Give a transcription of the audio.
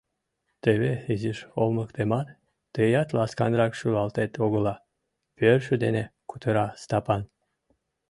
Теве изиш олмыктемат, тыят ласканрак шӱлалтет огыла, — пӧртшӧ дене кутыра Стапан.